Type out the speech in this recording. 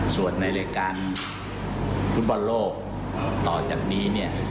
ส่วนในรายการฟุตบอลโลกต่อจากนี้เนี่ย